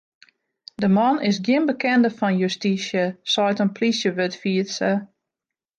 De man is gjin bekende fan justysje, seit in plysjewurdfierster.